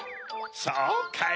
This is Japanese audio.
そうかい。